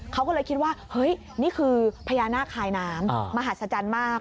เขาก็เลยคิดว่าเฮ้ยนี่คือพญานาคคายน้ำมหัศจรรย์มาก